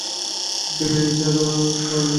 একটি মেয়ে ছাড়া তাঁর আর নাই।